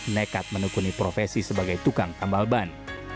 nekat menekuni profesi sebagai tukang tambal ban